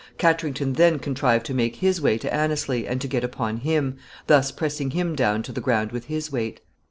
Katrington then contrived to make his way to Anneslie and to get upon him, thus pressing him down to the ground with his weight.